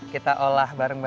kita olah bareng bareng